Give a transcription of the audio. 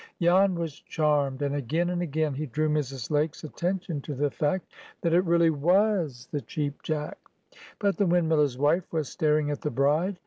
Jan was charmed, and again and again he drew Mrs. Lake's attention to the fact that it really was the Cheap Jack. But the windmiller's wife was staring at the bride.